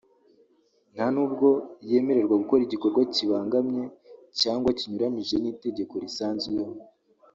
nta nubwo yemererwa gukora igikorwa kibangamye cyangwa kinyuranyije n’itegeko risanzweho